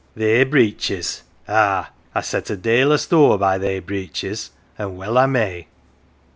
" They breeches ! Ah, I set a dale o" 1 store by they breeches an 1 well I may.""